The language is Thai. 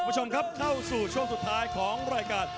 คุณผู้ชมครับเข้าสู่ช่วงสุดท้ายของรายการ